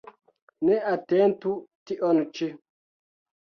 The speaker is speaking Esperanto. Neatentu tion ĉi.